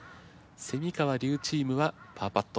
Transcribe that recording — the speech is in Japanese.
川・笠チームはパーパット。